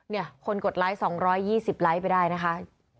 คนกดไลค์๒๒๐ไลค์ไปได้นะคะ